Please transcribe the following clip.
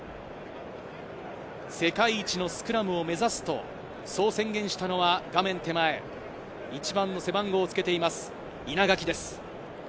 世界一のスクラムを目指すと、そう宣言したのは、画面手前、１番の背番号をつけています、稲垣です。